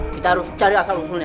kita harus cari asal usulnya